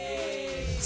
saya sangat teruja